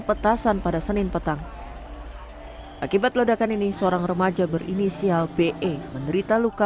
petasan pada senin petang akibat ledakan ini seorang remaja berinisial be menderita luka